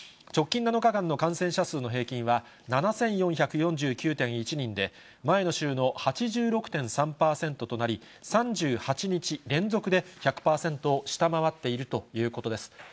直近７日間の感染者数の平均は７４４９．１人で、前の週の８６．３％となり、３８日連続で１００％を下回っているということです。